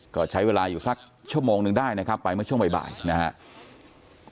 ก็ใช้เวลาอยู่สักชั่วโมงนึงได้นะครับไปเมื่อช่วงบ่ายนะครับ